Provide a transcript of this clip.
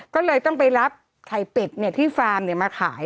ก็เลยต้องไปรับไข่เป็ดที่ฟาร์มมาขาย